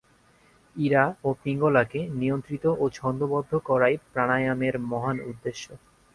ইড়া ও পিঙ্গলাকে নিয়ন্ত্রিত ও ছন্দোবদ্ধ করাই প্রাণায়ামের মহান উদ্দেশ্য।